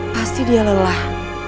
pasti dia lelah